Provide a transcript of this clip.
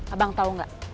abang tahu gak